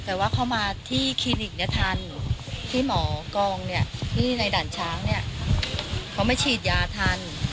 แต่ว่าเขามาที่คลินิกทันที่หมอกรองที่ในด่านช้างเขาไม่ฉีดยาทัน